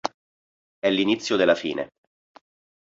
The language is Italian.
È l'inizio della fine.